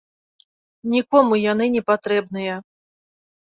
Нікому яны не патрэбныя.